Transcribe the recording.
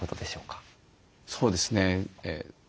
そうですね。